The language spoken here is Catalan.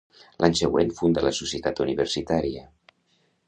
L'any següent, funda la Societat Universitària.